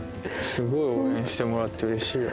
すごい応援してもらってるし。